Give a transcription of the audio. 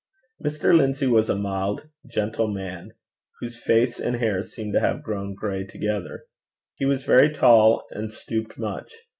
Mr. Lindsay was a mild, gentle man, whose face and hair seemed to have grown gray together. He was very tall, and stooped much.